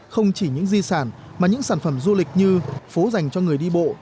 không chỉ những di sản mà những sản phẩm du lịch như phố dành cho người đi bộ